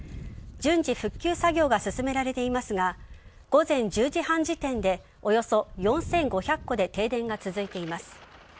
順次、復旧作業が進められていますが午前１０時半時点でおよそ４５００戸で停電が続いています。